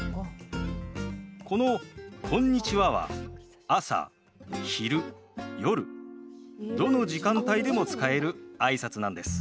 この「こんにちは」は朝昼夜、どの時間帯でも使えるあいさつなんです。